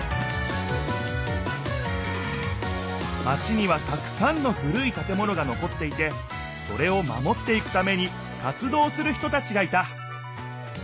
マチにはたくさんの古い建物が残っていてそれを守っていくために活動する人たちがいた。